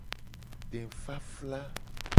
Defafla.